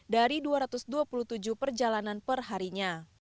dari dua ratus dua puluh tujuh perjalanan per harinya